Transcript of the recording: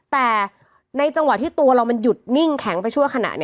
แต่ในจังหวะที่ตัวเรามันหยุดนิ่งแข็งไปชั่วขณะ